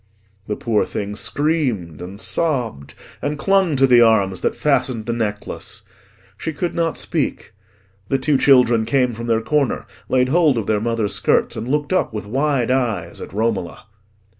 The poor thing screamed and sobbed, and clung to the arms that fastened the necklace. She could not speak. The two children came from their corner, laid hold of their mother's skirts, and looked up with wide eyes at Romola.